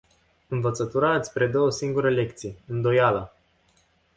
Învățătura îți predă o singură lecție: îndoiala!